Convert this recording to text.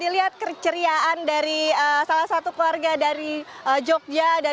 saya lihat keceriaan dari salah satu keluarga dari jogja